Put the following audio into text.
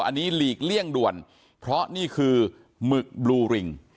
อันนี้หลีกเลี่ยงด่วนเพราะนี่คือหมึกบลูริง